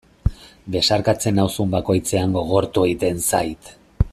Besarkatzen nauzun bakoitzean gogortu egiten zait.